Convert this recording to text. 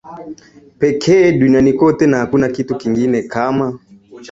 pekee duniani kote na hakuna kitu kingine kama